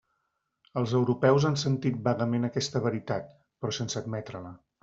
Els europeus han sentit vagament aquesta veritat, però sense admetre-la.